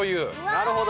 なるほど。